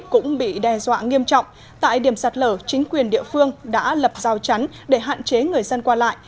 cũng bị đe dọa nghiêm trọng tại điểm sạt lở chính quyền địa phương đã lập rào chắn để hạn chế người dân qua lại